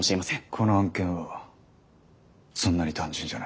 この案件はそんなに単純じゃない。